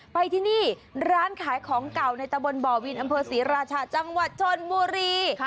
ไปที่นี่ร้านขายของเก่าในตะบนบ่อวินอำเภอศรีราชาจังหวัดชนบุรี